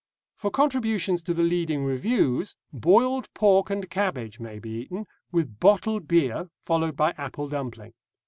For contributions to the leading reviews, boiled pork and cabbage may be eaten, with bottled beer, followed by apple dumpling.